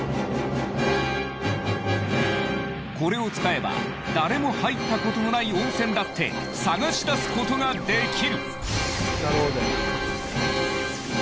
これを使えば誰も入ったことのない温泉だって探し出すことができる。